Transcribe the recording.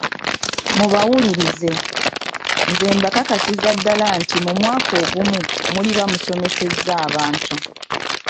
Mubawulirize, nze mbakakasiza ddala nti mu mwaka ogumu muliba musomesezza abantu.